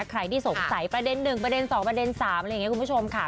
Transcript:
ใครที่สงสัยประเด็น๑ประเด็น๒ประเด็น๓อะไรอย่างนี้คุณผู้ชมค่ะ